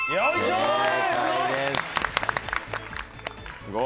すごい。